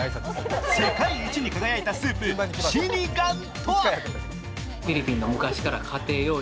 世界一に輝いたスープ、シニガンとは？